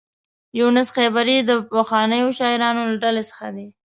یونس خیبري د پخوانیو شاعرانو له ډلې څخه دی.